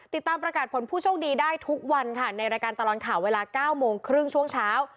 ติดตามประกาศผลผู้โชคดีได้ทุกวันค่ะในรายการตลอดข่าวเวลา๙โมงครึ่งช่วงเช้า